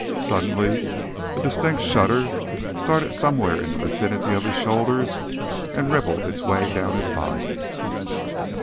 Suddenly a distinct shudder started somewhere in the vicinity of his shoulders and rippled its way down his body.